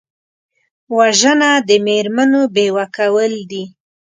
وژنه د مېرمنو بیوه کول دي